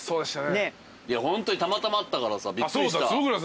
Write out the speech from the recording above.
ホントにたまたま会ったからさびっくりした。